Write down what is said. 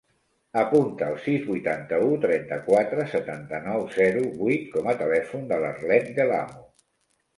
Apunta el sis, vuitanta-u, trenta-quatre, setanta-nou, zero, vuit com a telèfon de l'Arlet De Lamo.